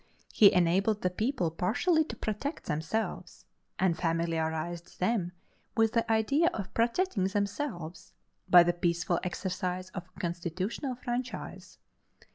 He enabled the people partially to protect themselves, and familiarized them with the idea of protecting themselves, by the peaceful exercise of a constitutional franchise.